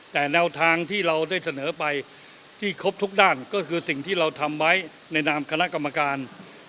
แต่แนวทางที่เราได้เสนอไปที่ครบทุกด้านก็คือสิ่งที่เราทำไว้ในนามคณะกรรมการ